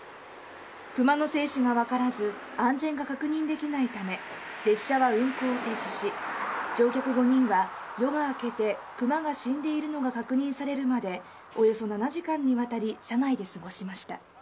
クマの生死が分からず、安全が確認できないため、列車は運行を停止し、乗客５人は夜が明けて、クマが死んでいるのが確認されるまで、およそ７時間にわたり車内で過ごしました。